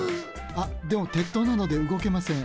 あでも鉄塔なのでうごけません